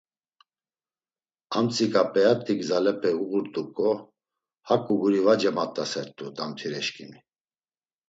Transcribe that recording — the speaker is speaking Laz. Amtsika p̌eat̆i gzalepe uğurt̆uǩo, haǩu guri va cemat̆asert̆u, damtireşǩimi!